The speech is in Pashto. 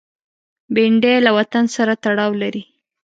بېنډۍ له وطن سره تړاو لري